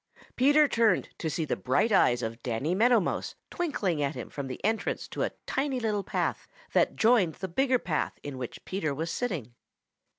Peter turned to see the bright eyes of Danny Meadow Mouse twinkling at him from the entrance to a tiny little path that joined the bigger path in which Peter was sitting.